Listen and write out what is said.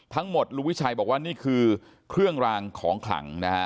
ทั้งหมดลุงวิชัยบอกว่านี่คือเครื่องลางของขลัง